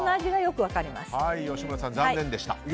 吉村さん、残念でした。